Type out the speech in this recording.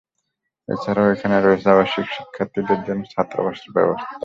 এছাড়াও এখানে রয়েছে আবাসিক শিক্ষার্থীদের জন্য ছাত্রাবাসের ব্যবস্থা।